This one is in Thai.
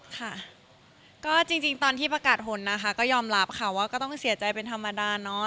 ค่ะก็จริงตอนที่ประกาศผลนะคะก็ยอมรับค่ะว่าก็ต้องเสียใจเป็นธรรมดาเนาะ